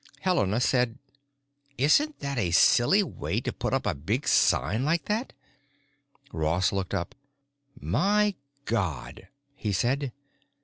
Helena said: "Isn't that a silly way to put up a big sign like that?" Ross looked up. "My God," he said.